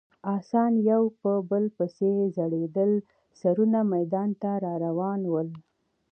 اسان یو په بل پسې ځړېدلي سرونه میدان ته راروان ول.